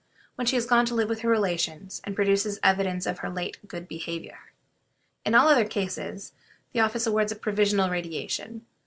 When she has gone to live with her relations, and produces evidence of her late good behavior. In all other cases the office awards a "provisional radiation."